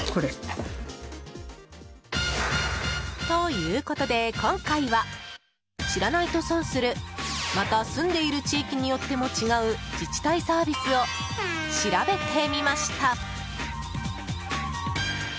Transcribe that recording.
ということで今回は知らないと損するまた、住んでいる地域によっても違う自治体サービスを調べてみました。